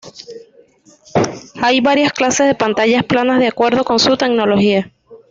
Hay varias clases de pantallas planas de acuerdo con su tecnología.